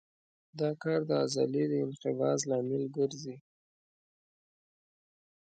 دا کار د عضلې د انقباض لامل ګرځي.